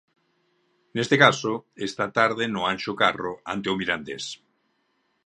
Neste caso, esta tarde no Anxo Carro ante o Mirandés.